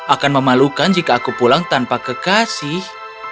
akan memalukan jika aku pulang tanpa kekasih